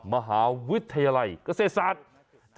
มหาวิทยาลัยเกษตรศาสตร์